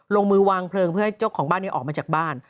ลงมือวางเพลิงเพื่อให้เจ้าของบ้านออกมาจากบ้าน